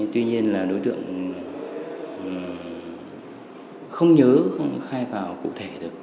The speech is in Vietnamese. tuy nhiên là đối tượng không nhớ không khai vào cụ thể được